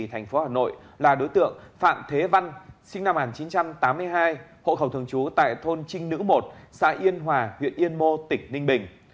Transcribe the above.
thành phố hà nội là đối tượng phạm thế văn sinh năm một nghìn chín trăm tám mươi hai hộ khẩu thường trú tại thôn trinh nữ một xã yên hòa huyện yên mô tỉnh ninh bình